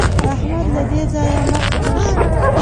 د احمد له دې ځايه مخ تور شو.